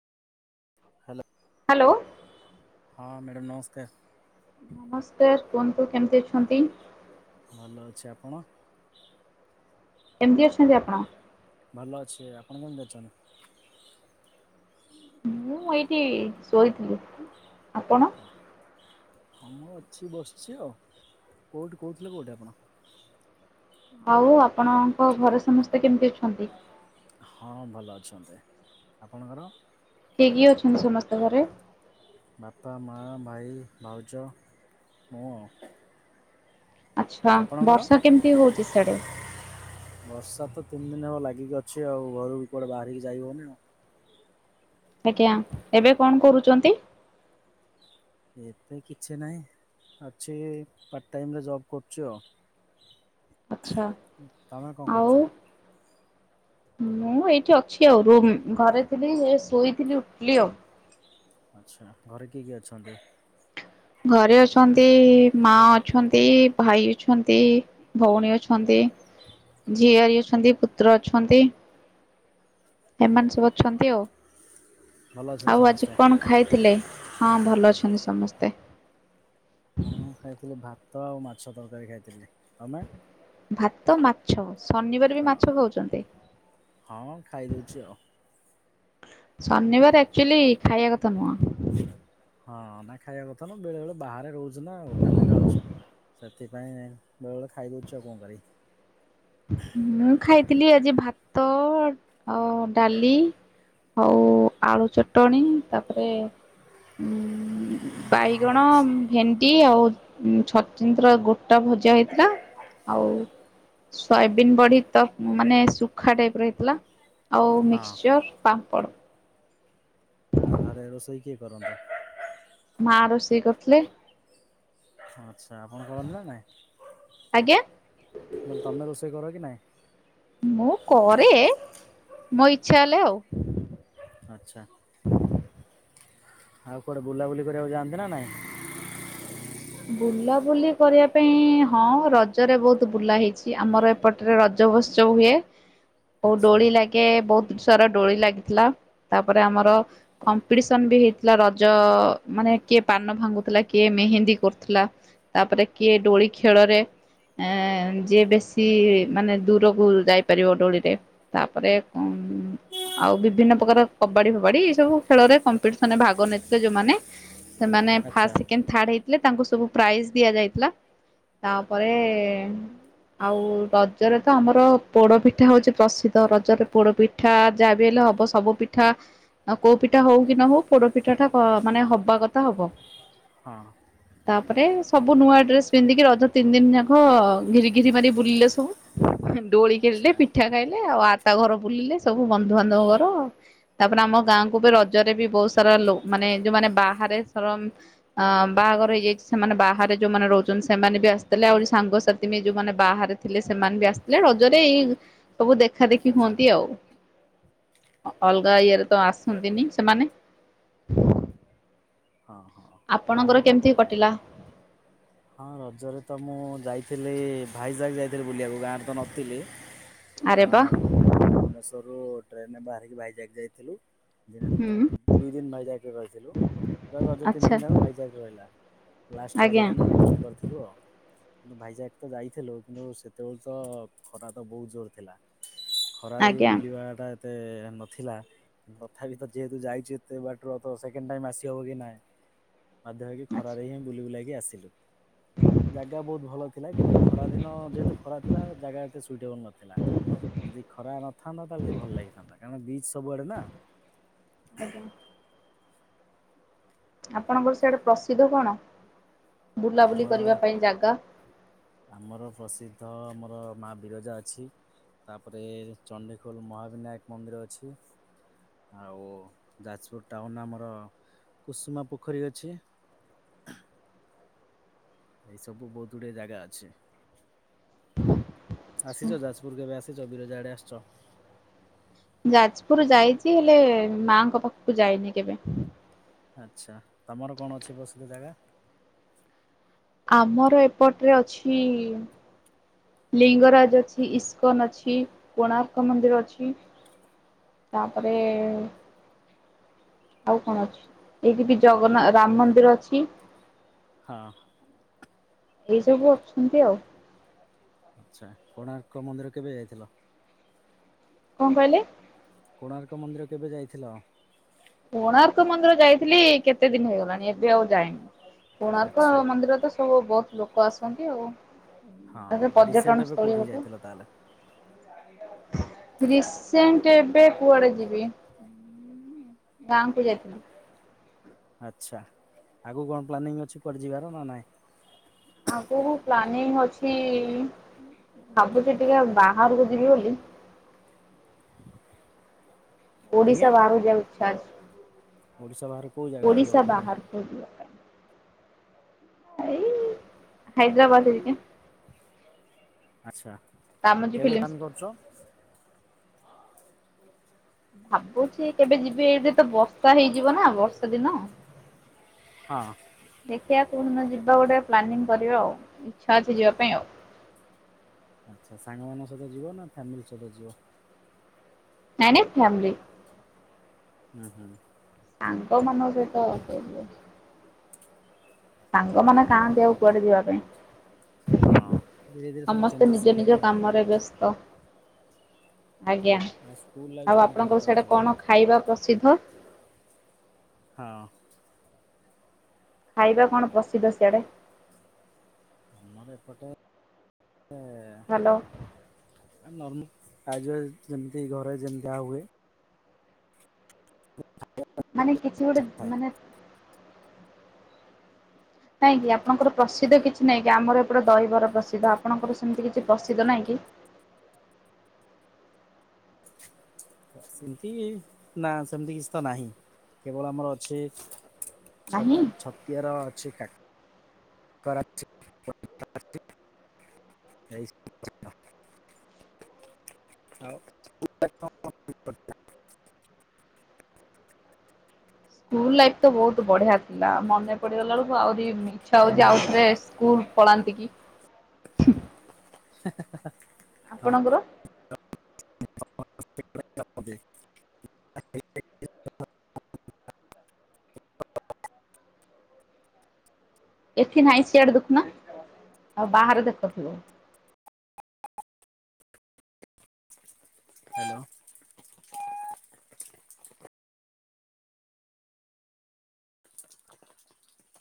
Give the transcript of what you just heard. Hello. ଲୋ ହଁ madam ନମସ୍କାର। ନମସ୍କାର କୁହନ୍ତୁ କେମିତି ଅଛନ୍ତି? ଭଲ ଅଛି। ଆପଣ? କେମିତି ଅଛନ୍ତି ଆପଣ? ଭଲ ଅଛି। ଆପଣ କେମିତି ଅଛନ୍ତି? ମୁଁ ଏଇଠି ଶୋଇଥିଲି। ଆପଣ? ହଁ, ମୁଁ ଅଛି ବସିଛି ଆଉ। କୋଉଠୁ କହୁଥିଲେ କୋଉଠି ଆପଣ? ଆଉ ଆପଣଙ୍କ ଘରେ ସମସ୍ତେ କେମିତି ଅଛନ୍ତି? ହଁ, ଭଲ ଅଛନ୍ତି। ଆପଣଙ୍କର? କିଏ କିଏ ଅଛନ୍ତି ସମସ୍ ବାପା, ମା ମା, ଭାଇ, ଭାଉଜ, ମୁଁ ଆଉ। ଆଚ୍ଛା, ଆପଣଙ୍କର? ବର୍ଷା କେମିତି ହଉଛି ସିଆଡେ? ବର୍ଷା ତ ତିନି ଦିନ ହବ ଲାଗିକି ଅଛି ଆଉ। ଘରୁ ବି କୁଆଡେ ବାହାରିକି ଯାଇ ହଉନି ଆଉ। ଆଜ୍ଞା, ଏବେ କଣ କରୁଚନ୍ତି? ଏବେ କିଛି ନାହିଁ। ଅଛି ପାର୍ଟ ଟାଇମ୍ ରେ ଜବ୍ କରୁଛି ଆଉ। ଆଚ୍ଛା ତୋମେ କଣ ଆଉ କରୁଛ? [inaudible] ମୁଁ ଏଇଠି ଅଛି ଆଉ ରୁମ୍ ଘରେ ଥିଲି ଏ ଶୋଇଥିଲି ଉଠିଲି ଆଉ। ଆଚ୍ଛା, ଘରେ କିଏ କିଏ ଅଛନ୍ତି? ଘରେ ଅଛନ୍ତି ମା ଅଛନ୍ତି, ଭାଇ ଅଛନ୍ତି, ଭଉଣୀ ଅଛନ୍ତି। ଝିଆରୀ ଅଛନ୍ତି, ପୁତୁରା ଅଛନ୍ତି। ଏମାନେ ସବୁ ଅଛନ୍ତି ଆଉ। ଭଲ ଅଛନ୍ତି ଆଉ ଆଜି ସମସ୍ତେ? କଣ ଖାଇଥିଲେ? ହଁ ଭଲ ଅଛନ୍ତି ସମସ୍ତେ। ହଁ ଖାଇଥିଲି ଭାତ ଆଉ ମାଛ ତରକାରୀ ଖାଇଥିଲି। ତମେ? ଭାତ, ମାଛ ଶନିବାର ବି ହଁ। ମାଛ ଖାଉଛନ୍ତି। ହଁ ଖାଇଦଉଛି ଆଉ। ଶନିବାର ଆକ୍ଚୁଅଲି ଖାଇବା କଥା ନୁହଁ। ହଁ ନାଇ ଖାଇବା କଥା ନୁହ ବେଳେ ବେଳେ ବାହାରେ ରହୁଛୁ ନା ହୋଟେଲ ରେ ଖାଉଛୁ ସେଥିପାଇଁ ବେଳେ ବେଳେ ଖାଇଦେଉଛୁ ଆଉ କଣ କରିବି? ମୁଁ ଖାଇଥିଲି ଆଜି ଭାତ ଆଉ ଡାଲି। ଆଉ ଆଳୁ ଚଟଣୀ ତାପରେ ବାଇଗଣ, ଆଚ୍ଛା, ଭେଣ୍ଡି ଆଉ ଛଛିନ୍ତ୍ରା ଗୋଟା ଭ ଭଜା ହେଇଥିଲା ଆଉ ସୋୟାବିନ୍ ବଢି ତ ମାନେ ଶୁଖା ଟାଇପ ର ହେଇଥିଲା ଆଉ ମିକ୍ସଚର ପା ମ୍ପଡ। ହଁ ଘରେ ରୋଷେଇ କିଏ କରନ୍ତି? ମା ରୋଷେଇ କରିଥିଲେ। ଆଚ୍ଛା ଆପଣ କରନ୍ତି ନା ନାଇଁ। ଆଜ୍ଞା। ମୁଁ କହିଲି ତମେ ରୋଷେଇ କର କି ନାଇଁ? ମୁଁ କରେ, ମୋ ଇଚ୍ଛା ହେଲେ ଆଉ। ଆଚ୍ଛା। ଆଉ କୁଆଡେ ବୁଲାବୁଲି କରିବାକୁ ଯାଆନ୍ତି ନା ନାଇଁ। ବୁଲାବୁଲି କରିବା ପାଇଁ ହଁ ରଜରେ ବହୁତ ବୁଲା ହେଇଛି ଆମର ଏପଟରେ ରଜ ଵ ମହୋତ୍ସବ ହୁଏ ଓ ଆଚ୍ଛା ଡୋଳି ଲାଗେ ବହୁତ ସାରା ଦୋଳି ଲାଗିଥିଲା ତାପରେ ଆମର କମ୍ପିଟିସନ ବି ହେଇଥିଲା ରଜ ମାନେ କିଏ ପା ପାନ ଭାଙ୍ଗୁଥିଲା, କିଏ ମେହେନ୍ଦୀ କରୁଥିଲା, ତାପରେ କିଏ ଦୋଳି ଖେଳରେ ଏ ଯିଏ ବେଶୀ ମାନେ ଦୂରକୁ ଯାଇପାରିବ ଦୋଳିରେ ତାପରେ କଣ ଆଉ ବିଭିନ୍ନ ପ୍ରକାର କବାଡି ଫବାଡି ଏଇ ସବୁ ଖେଳରେ କମ୍ପିଟିସନରେ ଭାଗ ନେଇଥିଲେ ଯୋଉମାନେ ସେମାନେ ଆଚ୍ଛା ଫାଷ୍ଟ, ସେକେଣ୍ଡ, ଥାଡ୍ ହେଇଥିଲେ ତାଙ୍କୁ ସବୁ ପ୍ରାଇଜ ଦିଆଯାଇଥିଲା। ତାପରେ ଆଉ ରଜରେ ତ ଆମର ପୋଡପିଠା ହଉଛି ପ୍ରସିଦ୍ଧ ରଜରେ ପୋଡ ପିଠା ଯାହା ବି ହେଲେ ହବ ସବୁ ପିଠା କୋଉ ପିଠା ହଉ କି ନ ହଉ ପୋଡ ପିଠା ଟା ମାନେ ହବା କଥା ହବ। ହଁ। ତାପରେ ସବୁ ନୂଆ ଡ୍ରେସ ପିନ୍ଧିକି ରଜ ତିନି ଦିନ ଯାକ ଘିରି ଘିରି ମାରି ବୁଲିଲେ ସବୁ। ଡୋଳି ଆଚ୍ଛା ଖେଳିଲେ ପିଠା ଖାଇଲେ ଆଉ ଆ ତା ଘର ବୁଲିଲେ ସବୁ ବନ୍ଧୁବାନ୍ଧବ ଘର ତାପରେ ଆମ ଗାଁକୁ ବି ରଜରେ ବି ବହୁତ ସାରା ଲୋ ମାନେ ଯୋଉମାନେ ବାହାରେ ଶ୍ର ଆଁ ବାହାଘର ହେଇଯାଇଛି ସେମାନେ ବାହାରେ ଯେଉମାନେ ରହୁଛନ୍ତି ସେମାନେ ବି ଆସିଥିଲେ ଆଉ ସାଙ୍ଗସାଥି ବି ଯଉମାନେ ବାହାରେ ଥିଲେ ସେମାନେ। ମାନ ବି ଆସିଥିଲେ ରଜରେ ଏଇ ସବୁ ଦେଖା ଦେେଖି ଆଚ୍ଛା। ହୁଅନ୍ତି ଆଉ। ଅଲଗା ଇଏରେ ତ ଆସନ୍ତିନି ସେମାନେ। ହଁ ହଁ ଆପଣଙ୍କର ବାହାରକୁ ଆଉ କେମିତି କୁଆଡ଼େ ଯାଏନା? କଟିଲା? ହଁ ରଜରେ ତ ମୁଁ ଯାଇଥିଲି ଭାଇ ଯାକ ଯାଇଥିଲି ବୁଲିବାକୁ ଗାଁରେ ତ ନଥିଲି ଆରେ ବା ଆଁ ଭୁବନେଶ୍ୱରରୁ ଟ୍ରେନ୍ ରେ ବାହାରିକି ଭାଇ ଯାଇକି ଯାଇଥିଲୁ ଦିନେ ଦୁଇ ହୁଁ ଦିନ ଦୁଇ ଦିନ ଭାଇଯାଇକି ରହିଥିଲୁ। ପୁରା ରଜ ତିନି ଆଚ୍ଛା ଦିନ ଯାକ ଭାଇଜାକ ରହିଲା ଲାଷ୍ଟ ରଜ ଆଜ୍ଞା ଦିନ ରିଟର୍ଣ କରିଥିଲୁ ଆଉ। କିନ୍ତୁ ଭାଇଜାକ ତ ଯାଇଥିଲୁ କିନ୍ତୁ ସେତେବେଳେ ତ ଖରା ତ ବହୁତ ଜୋର ଥିଲା। ଖରାରେ ବି ଆଜ୍ଞା ବୁଲିବା ଟା ଏତେ ଏତେ ନଥିଲା ତଥାପି ତ ଯେହେତୁ ଯାଇଛି ଏତେ ବାଟ୍ର ତ ସେକେଣ୍ଡ ଟାଇମ୍ ଆସି ଶବ କି ନାଇଁ ବାଧ୍ୟମକି ଆଚ୍ଛା। ଖରାରେ ହିଁ ବୁଲି ବୁଲାଇକି ଆସିଲୁ। ଜାଗା ବହୁତ ଭଲ ଥିଲା କିନ୍ତୁ ଖରା ଦିନ ଯେହେତୁ ଖରା ଥିଲା ଜାଗା ଏତେ ସୁଇଟେବଲ ନଥିଲା। ଯଦି ଖରା ନଥାନ୍ତା ତାହେଲେ ଟିକେ ଭଲ ଲାଗିଥାନ୍ତା କାରଣ ବିଜ ସବୁଆଡେ ନା। ଆଜ୍ଞା। ଆପଣଙ୍କର ସେଆଡା ପ୍ରସିଦ୍ଧ କଣ? ବୁଲାବୁଲି ଆମର କରିବା ପାଇଁ ଜାଗା? ଆମର ପ୍ରସିଦ୍ଧ ମ ଆମର ମା ବିରଜା ଅଛି। ତାପରେ ଚଣ୍ଡିଖୋଲ ମହାବିନାୟକ ମନ୍ଦିର ଅଛି। ଆଉ ଯାଜପୁର ଟାଉନ ଆମର କୁସୁମା ପୋଖରୀ ଅଛି। [inaudible] ଏଇ ସବୁ ବହୁତ ଗୁଡିଏ ଜାଗା ଅଛି। ଆସିଛ ଯାଜପୁର କେବେ ଆସିଛ ବିରଜା ଆଡେ ଆସିଛ? ଯାଜପୁର ଯାଇଛି ହେଲେ ମାଙ୍କ ପାଖକୁ ଯାଇନି କେବେ। ଆଚ୍ଛା ତମର କଣ ଅଛି ପ୍ରସିଦ୍ଧ ଜାଗା? ଆମର ଏପଟରେ ଅଛି ଲିଙ୍ଗରାଜ ଅଛି, ଇସ୍କନ ଅଛି, କୋଣାର୍କ ମନ୍ଦିର ଅଛି। ତାପରେ ଆଉ କଣ ଅଛି ଏଇଠି ବି ଜଗନ୍ନା ରାମ ମନ୍ଦିର ଅଛି। ହଁ। ଏଇ ସବୁ ଅଛନ୍ତି ଆଉ। ଆଚ୍ଛା କୋଣାର୍କ ମନ୍ଦିର କେବେ ଯାଇଥିଲ? କଣ କହିଲେ? କୋଣାର୍କ ମନ୍ଦିର କେବେ ଯାଇଥିଲ? ଥିଲ କେତେ ଦିନ ହେଇଗଲାଣି ଏବେ ଆଉ ଯାଇନି କୋଣାର୍କ ଆଚ୍ଛା ମନ୍ଦିର ତ ସବୁ ବ ଲୋକ ଆସନ୍ତି ଆଉ। ହଁ ଆଉ ପର୍ଯ୍ୟଟନ ରିସେଣ୍ଟ ଏବେ ସ୍ଥଳୀ କୋଠିକି ଗୋଟେ ଯାଇଥିଲ ତାହେଲେ? ରିସେଣ୍ଟ ଏବେ କୁଆଡେ ଯିବି? ଗାଁ କୁ ଯାଇଥିଲି। ଆଚ୍ଛା ଆଗକୁ କଣ ପ୍ଲାନିଂ ଅଛି କୁଆଡ଼େ ଯିବାର ନା ନାଇଁ। ଆଗୁକୁ ପ୍ଲାନିଂ ଅଛି ଭାବୁଛି ଟିକେ ବାହାରକୁ ଯିବି ବୋଲି [inaudible] ଓଡିଶା ଆଜ୍ଞା ବାହାରକୁ ଯିବାକୁ ଇଚ୍ଛା ଅଛି। ଓଡିଶା ବାହାରୁ କୋଉ ଜାଗା ଯିବ ଓଡ଼ିଶା ପ୍ଲାନିଂ? ବାହାରକୁ ଯିବା ପାଇଁ ଏଇ ହାଇଦ୍ରାବାଦ ଘରିକା। ଆଚ୍ଛା ରାମୋଜୀ କେବେ ଫିଲ୍ମ ପ୍ଲାନ୍ କରୁଛ? ଭାବୁଛି କେବେ ଯିବି ଏଇଠି ତ ବର୍ଷା ହେଇଯିବ ନା ବର୍ଷା ଦିନ। ହଁ। ଦେଖିଆ କୋଉ ଦିନ ଯିବା ଗୋଟେ ପ୍ଲାନିଂ କରିବା ଆଉ, ଇଛା ଅଛି ଯିବା ପାଇଁ ଆଉ। ଆଚ୍ଛା ସାଙ୍ଗମାନଙ୍କ ସହିତ ଯିବ ନା ଫ୍ୟାମିଲି ସହିତ ଯିବ? ନାଇଁ ନାଇଁ ଫ୍ୟାମିଲି। ଉଁ ହୁଁ। ସାଙ୍ଗମାନଙ୍କ ସହିତ ଫେରିବେ। ସାଙ୍ଗମାନେ କାହାନ୍ତି ଆଉ କୁଆଡେ ଯିବା ପାଇଁ? ହଁ ଧୀରେ ଧୀରେ ସବୁ ସମସ୍ତେ ଚେଞ୍ଜେସ୍ ନିଜ ହେଲେଣି ନିଜ ଆଉ। କାମରେ ବ୍ୟସ୍ତ। ଆଜ୍ଞା, ଆଉ ସ୍କୁଲ ଲାଇଫ୍ ଆଉ କଣ କେମିତି ଆପଣଙ୍କର ସିଆଡେ କଟିଥିଲା? କଣ ଖାଇବା ପ୍ରସିଦ୍ଧ? ହଁ। ଖାଇବା କଣ ପ୍ରସିଦ୍ଧ ସିଆଡେ? ଆମର ଏପଟେ ହାଲୋ। ଆ ନର୍ମ [unintelligible] ଯେମିତି ଘରେ ଯେମିତିଆ ହୁଏ। ମାନେ କିଛି ଗୋଟେ ଥାଏ। ମାନେ କାହିଁକିି ଆପଣଙ୍କର ପ୍ରସିଦ୍ଧ କିଛି ନାଇଁ କି ଆମର ଏପଟେ ଦହିବରା ପ୍ରସିଦ୍ଧ ଆପଣଙ୍କର ସେମିତି କିଛି ପ୍ରସିଦ୍ଧ ନାଇଁ କି? କି? [inaudible] ସେମିତି ନା ସେମିତି କିଛି ତ ନାହିଁ କେବଳ ଆମର ଅଛି ଛ ନାହିଁ ଛତିଆର [unintelligible] [unintelligible] ଆଉ [unintelligible] ସ୍କୁଲ ଲାଇଫଟା ବହୁତ ବଢିଆ ଥିଲା ମନେ ପଡିଗଲା ବେଳକୁ ଆହୁରି ଇଛା ହଉଛି ଆଉଥରେ ସ୍କୁ ପଳାନ୍ତି କି ହେ ହେ ହେ। ଆପଣଙ୍କର? [unintelligible] ଏଠି ନାଇଁ ସିଆଡେ ଦେଖୁନା ଆଉ ବାହାରେ ଦେଖ ଥିବ। ହାଲୋ।